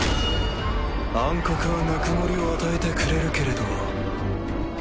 暗黒はぬくもりを与えてくれるけれど。